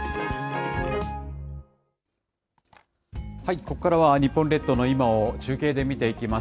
ここからは日本列島の今を中継で見ていきます。